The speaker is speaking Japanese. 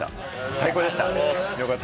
最高でした。